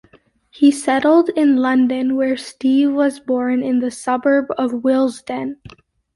He settled in London, where Steve was born in the suburb of Willesden.